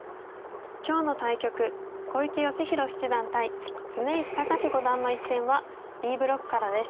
今日の対局小池芳弘七段対常石隆志五段の一戦はＢブロックからです。